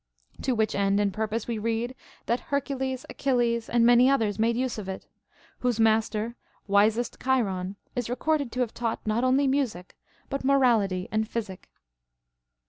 To Avhich end and purpose we read that Hercules, Achilles, and many others made use of it ; whose master, wisest Chiron, is recorded to have taught not only music, but morality and physic.